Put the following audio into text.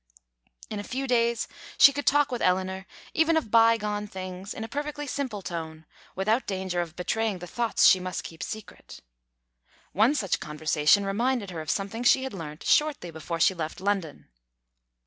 In a few days she could talk with Eleanor even of bygone things in a perfectly simple tone, without danger of betraying the thoughts she must keep secret. One such conversation reminded her of something she had learnt shortly before she left London.